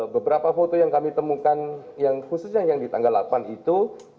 beberapa foto yang kami temukan yang khususnya yang di tanggal delapan itu